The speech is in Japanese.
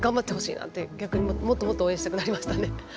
もっともっと応援したくなりました。